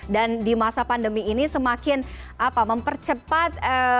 dan di masa pandemi ini semakin mempercepat